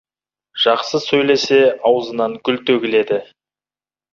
Жақсы сөйлесе, аузынан гүл төгіледі.